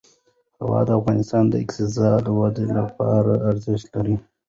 هوا د افغانستان د اقتصادي ودې لپاره ارزښت لري.